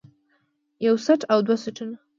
يو څټ او دوه څټونه